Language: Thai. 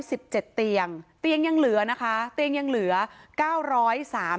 สิบเจ็ดเตียงเตียงยังเหลือนะคะเตียงยังเหลือเก้าร้อยสาม